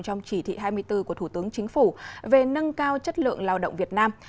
trong chỉ thị hai mươi bốn của thủ tướng chính phủ về nâng cao chất lượng lao động việt nam